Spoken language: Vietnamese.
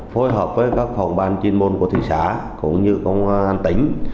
phối hợp với các phòng ban chuyên môn của thị xã cũng như công an tỉnh